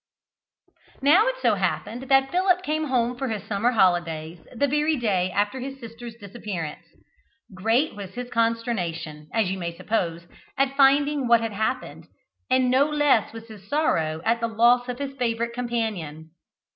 Now it so happened that Philip came home for his summer holidays the very day after his sister's disappearance. Great was his consternation, as you may suppose, at finding what had happened, and no less was his sorrow at the loss of his favourite companion.